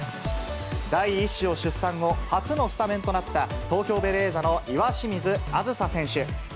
第１子を出産後、初のスタメンとなった、東京ベレーザの岩清水梓選手。